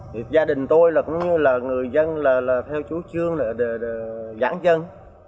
thì gia đình tôi cũng như là người dân là theo chủ trương là giãn dân